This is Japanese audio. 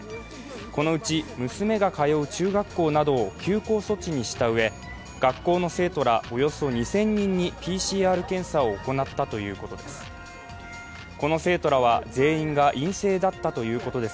このうち娘が通う中学校などを休校措置にしたうえ、学校の生徒らおよそ２０００人にＰＣＲ検査を行ったということです。